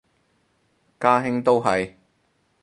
家兄都係